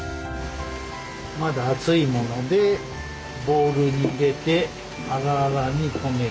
まだ熱いものでボウルに入れてあらあらにこねていきます。